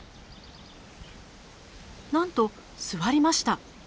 なんと座りました。